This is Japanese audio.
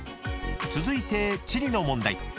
［続いて地理の問題］